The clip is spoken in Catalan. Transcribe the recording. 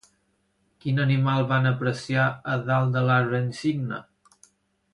Quin animal van apreciar a dalt de l'arbre insigne?